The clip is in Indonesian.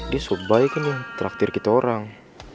dia sobaikan yang traktir kita orang